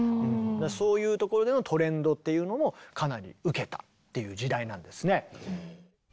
そういうところでのトレンドっていうのもかなり受けたっていう時代なんですね。